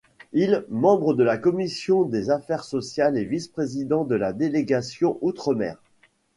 Il membre de la Commission des Affaires sociales et Vice-président de la Délégation Outre-mer.